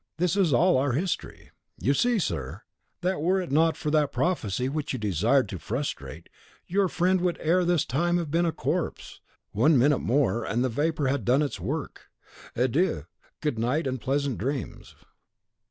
This is all our history. You see, sir, that were it not for that prophecy which you desired to frustrate, your friend would ere this time have been a corpse; one minute more, and the vapour had done its work. Adieu; goodnight, and pleasant dreams."